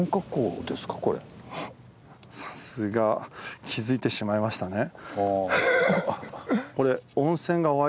さすが気付いてしまいましたね。